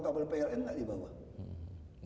kabel pln nggak di bawah